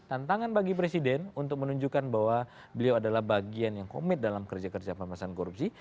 tantangan bagi presiden untuk menunjukkan bahwa beliau adalah bagian yang komit dalam kerja kerja pemerintahan korupsi